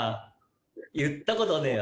言ったことねえわ。